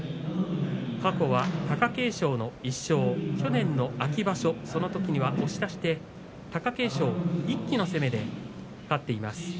過去は貴景勝の１勝去年の秋場所、そのときには押し出して貴景勝一気の攻めで勝っています。